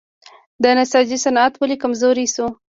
د نساجي صنعت ولې کمزوری شو؟